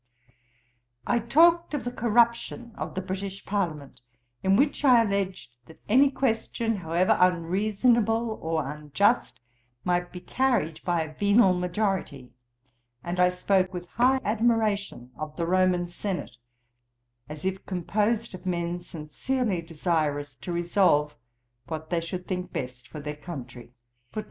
I talked of the corruption of the British Parliament, in which I alleged that any question, however unreasonable or unjust, might be carried by a venal majority; and I spoke with high admiration of the Roman Senate, as if composed of men sincerely desirous to resolve what they should think best for their country.